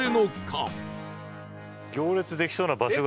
玉木：行列できそうな場所が。